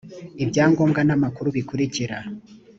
ibyangombwa n amakuru bikurikira